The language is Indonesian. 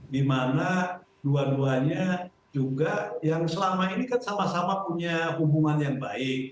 dimana dua duanya juga yang selama ini kan sama sama punya hubungan yang baik